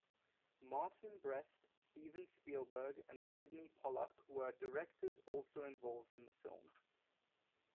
Martin Brest, Steven Spielberg, and Sydney Pollack were directors also involved in the film.